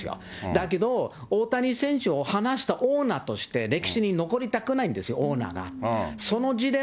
だけど、大谷選手を放したオーナーとして、歴史に残りたくないんですよ、オーナーが。